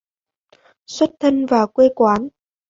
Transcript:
Xuất thân và quê quán